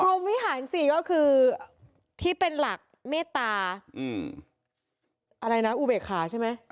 วิหารสิก็คือที่เป็นหลักเมตตาอะไรนะอุเบกขาใช่ไหม